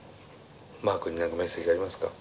マー君に何かメッセージありますか？